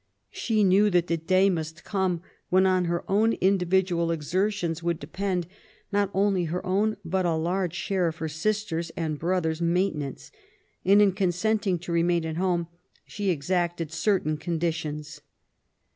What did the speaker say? She knew that the day must come when on her own indi . yidual exertions would depend not only her own but a large share of her sisters' and brothers' maintenance^ and^ in consenting to remain at home, she exacted certain conditions.